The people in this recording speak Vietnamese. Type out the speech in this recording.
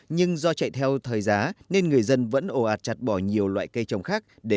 nhưng do chạy theo thời giá nên người dân vẫn ổn định